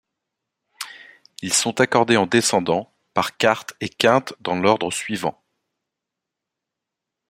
Ils sont accordés en descendant, par quartes et quintes dans l'ordre suivant.